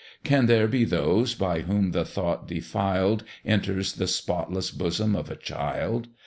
Can there be those by whom the thought defiled Enters the spotless bosom of a child?